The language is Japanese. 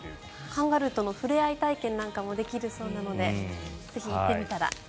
カンガルーとの触れ合い体験なんかもできるそうなのでぜひ行ってみたら。